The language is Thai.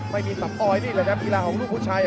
ไม่มีสำออยนี่แหละครับกีฬาของลูกผู้ชาย